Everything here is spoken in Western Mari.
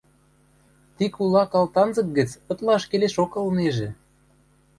Ти кулак алтанзык гӹц ытлаш келешок ылнежӹ.